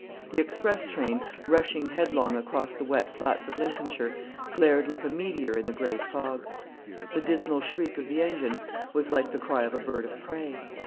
The express train, rushing headlong across the wet flats of Lincolnshire, glared like a meteor in the gray fog; the dismal shriek of the engine was like the cry of a bird of prey.